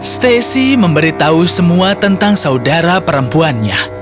stacy memberitahu semua tentang saudara perempuannya